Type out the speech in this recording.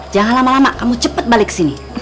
jangan lama lama kamu cepet balik kesini